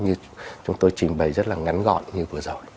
như chúng tôi trình bày rất là ngắn gọn như vừa rồi